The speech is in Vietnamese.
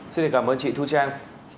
xin cảm ơn chị thu trang